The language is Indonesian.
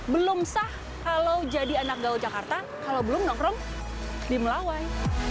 belum sah kalau jadi anak gaul jakarta kalau belum nongkrong di melawai